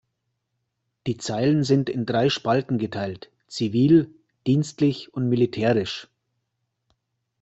Die Zeilen sind in drei Spalten geteilt: zivil, dienstlich und militärisch.